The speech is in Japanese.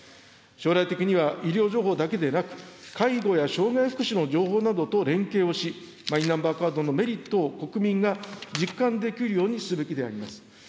将来的には、医療情報だけでなく、介護や障害福祉の情報などと連携をし、マイナンバーカードのメリットを国民が実感できるようにすべきであります。